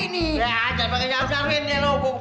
ya jangan pake nyam nyamin ya lo